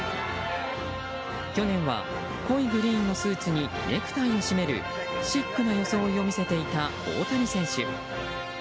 去年は、濃いグリーンのスーツにネクタイを締めるシックな装いを見せていた大谷選手。